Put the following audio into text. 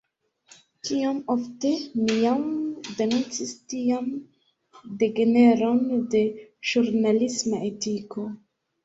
Kiom ofte mi jam denuncis tian degeneron de ĵurnalisma etiko!